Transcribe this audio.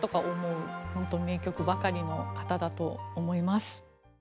ホントに名曲ばかりの方だと思います。